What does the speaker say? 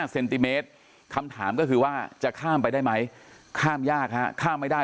เซนติเมตรคำถามก็คือว่าจะข้ามไปได้ไหมข้ามยากฮะข้ามไม่ได้